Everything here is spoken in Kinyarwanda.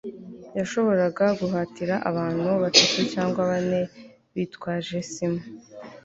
yashoboraga guhatira abantu batatu cyangwa bane bitwaje sima